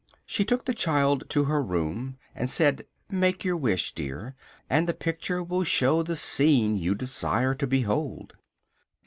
She took the child to her room and said: "Make your wish, dear, and the picture will show the scene you desire to behold."